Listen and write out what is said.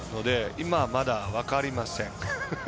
今、まだ分かりません。